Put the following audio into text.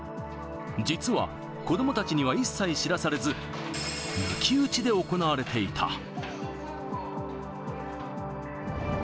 実は子どもたちには一切知らされず、抜き打ちで行われていた。